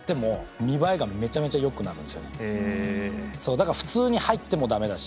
だから普通に入ってもダメだし。